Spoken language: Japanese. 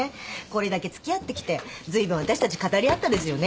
これだけ付き合ってきてずいぶん私たち語り合ったですよね？